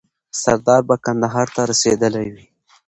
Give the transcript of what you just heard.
سردار به کندهار ته رسېدلی وي.